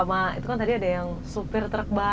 dan gak menangkap mereka